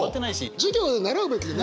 授業で習うべきだよね！